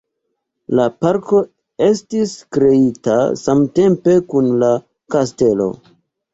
La parko estis kreita samtempe kun la kastelo.